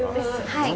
はい。